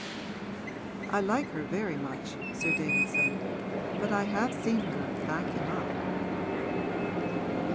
'I like her very much,' Sir David said, 'but I have seen her back him up.'